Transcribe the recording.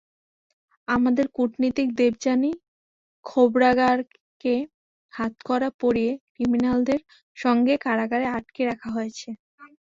আমাদের কূটনীতিক দেবযানী খোবরাগাড়েকে হাতকড়া পরিয়ে ক্রিমিনালদের সঙ্গে কারাগারে আটকে রাখা হয়েছে।